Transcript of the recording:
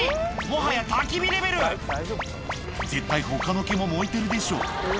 もはやたき火レベル絶対他の毛も燃えてるでしょ